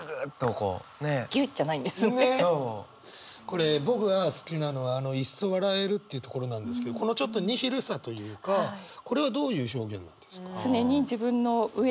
これ僕が好きなのは「いっそ笑える」ってところなんですけどこのちょっとニヒルさというかこれはどういう表現なんですか？